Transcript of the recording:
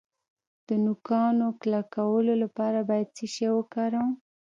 د نوکانو کلکولو لپاره باید څه شی وکاروم؟